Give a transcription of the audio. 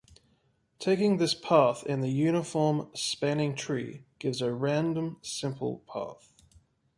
Taking this path in the "uniform" spanning tree gives a random simple path.